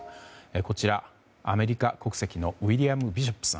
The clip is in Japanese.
こちら、アメリカ国籍のウィリアム・ビショップさん。